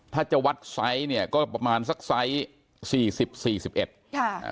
ถ้าจะวัดไซส์เนี่ยก็ประมาณสักไซส์สี่สิบสี่สิบเอ็ดค่ะอ่า